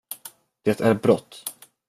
Det är brått!